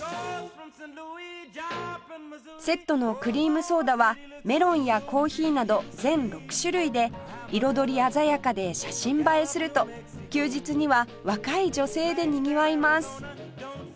セットのクリームソーダはメロンやコーヒーなど全６種類で彩り鮮やかで写真映えすると休日には若い女性でにぎわいます